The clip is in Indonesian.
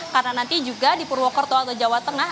karena nanti juga di purwokerto atau jawa tengah